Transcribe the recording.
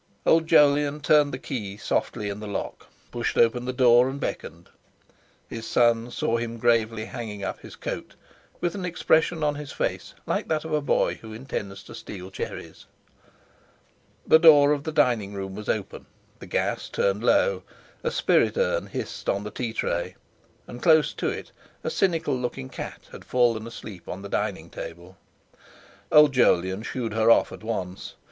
Old Jolyon turned the key softly in the lock, pushed open the door, and beckoned. His son saw him gravely hanging up his coat, with an expression on his face like that of a boy who intends to steal cherries. The door of the dining room was open, the gas turned low; a spirit urn hissed on a tea tray, and close to it a cynical looking cat had fallen asleep on the dining table. Old Jolyon "shoo'd" her off at once.